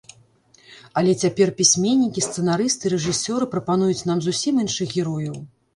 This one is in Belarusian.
Але цяпер пісьменнікі, сцэнарысты, рэжысёры прапануюць нам зусім іншых герояў.